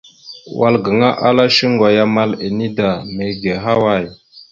Wal gaŋa ala shuŋgo ya amal ene da ta, mege ahaway?